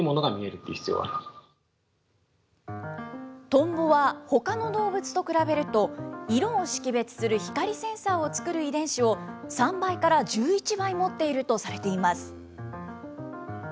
トンボはほかの動物と比べると、色を識別する光センサーを作る遺伝子を３倍から１１倍持っているとされています。